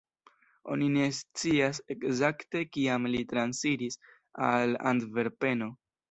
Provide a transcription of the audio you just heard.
Oni ne scias ekzakte kiam li transiris al Antverpeno.